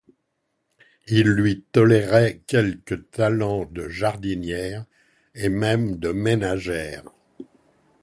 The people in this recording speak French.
Il lui tolérait quelques talents de jardinière, et même de ménagère.